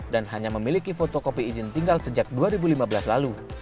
dan hanya memiliki fotokopi izin tinggal sejak dua ribu lima belas lalu